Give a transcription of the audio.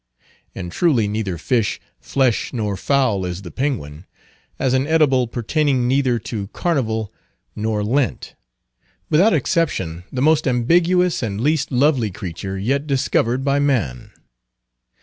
And truly neither fish, flesh, nor fowl is the penguin; as an edible, pertaining neither to Carnival nor Lent; without exception the most ambiguous and least lovely creature yet discovered by man.